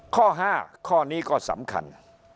ข้อ๕ข้อนี้ก็สำคัญ